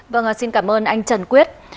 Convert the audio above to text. vâng xin cảm ơn anh trần quyết